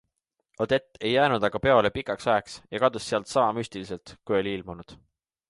Odette ei jäänud aga peole pikaks ajaks ja kadus sealt sama müstiliselt kui oli ilmunud.